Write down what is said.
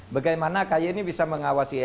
bagaimana kay ini bisa mengawasi